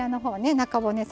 中骨